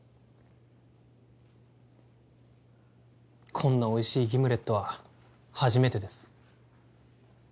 こんなおいしいギムレットは初めてです。